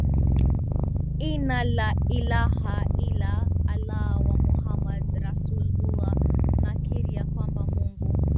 inna la ilaha ila allah wa Muhamad rasul ullah Nakiri ya kwamba Mungu